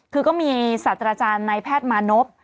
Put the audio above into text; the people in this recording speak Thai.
คือก็มีสัตว์อาจารย์ในแพทย์มานบ